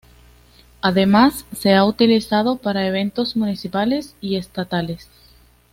Además se ha utilizado para eventos municipales y estatales.